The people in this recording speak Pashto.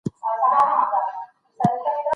پوځي کودتا د ولسواکۍ پر بهير څه اغېز شيندي؟